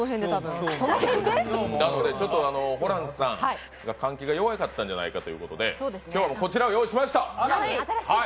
ホランさん、換気が弱かったんじゃないかということで今日も、こちらを用意しました。